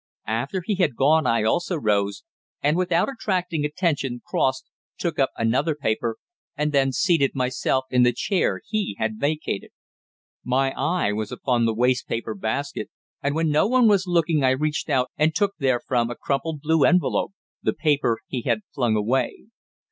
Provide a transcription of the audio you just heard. After he had gone I also rose, and, without attracting attention, crossed, took up another paper, and then seated myself in the chair he had vacated. My eye was upon the waste paper basket, and when no one was looking I reached out and took therefrom a crumpled blue envelope the paper he had flung away.